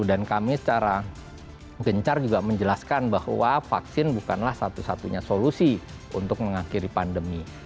dan kami secara gencar juga menjelaskan bahwa vaksin bukanlah satu satunya solusi untuk mengakhiri pandemi